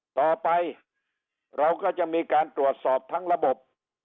ต่อไปเราก็จะมีการตรวจสอบทั้งระบบ